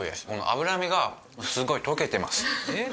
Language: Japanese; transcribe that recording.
脂身がすごい溶けてますえっ？